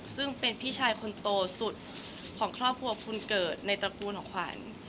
ซึ่งเป็นพี่ชายคนโตสุดของครอบครัวคุณเกิดในตระกูลของขวัญ